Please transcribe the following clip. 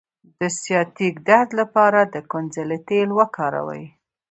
د سیاتیک درد لپاره د کونځلې تېل وکاروئ